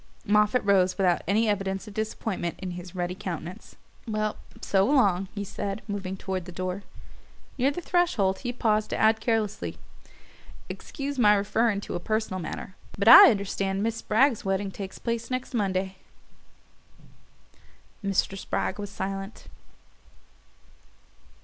Moffatt rose without any evidence of disappointment in his ruddy countenance. "Well, so long," he said, moving toward the door. Near the threshold he paused to add carelessly: "Excuse my referring to a personal matter but I understand Miss Spragg's wedding takes place next Monday." Mr. Spragg was silent.